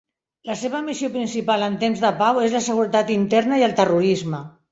La seva missió principal en temps de pau és la seguretat interna i el terrorisme.